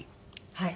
はい。